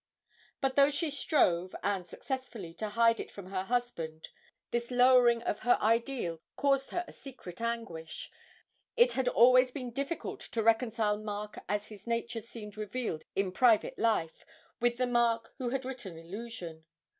But though she strove, and successfully, to hide it from her husband, this lowering of her ideal caused her a secret anguish; it had always been difficult to reconcile Mark as his nature seemed revealed in private life, with the Mark who had written 'Illusion.'